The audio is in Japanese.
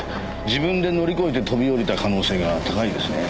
自分で乗り越えて飛び下りた可能性が高いですね。